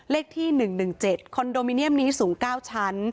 เลขที่หนึ่งหนึ่งเจ็ดคอนโดมิเนียมนี้สูงเก้าชั้น